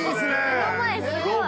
目の前すごい。